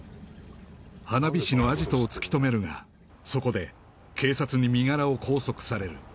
花火師のアジトを突き止めるがそこで警察に身柄を拘束される